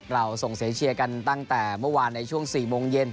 เราส่งเสียเชียร์กันตั้งแต่เมื่อวานในช่วง๔โมงเย็น